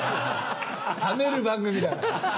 ためる番組だから。